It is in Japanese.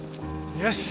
よし。